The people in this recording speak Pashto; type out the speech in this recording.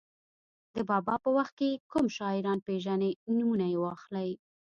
د بابا په وخت کې کوم شاعران پېژنئ نومونه یې واخلئ.